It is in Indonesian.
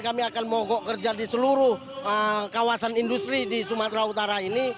kami akan mogok kerja di seluruh kawasan industri di sumatera utara ini